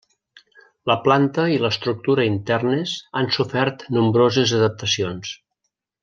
La planta i l’estructura internes han sofert nombroses adaptacions.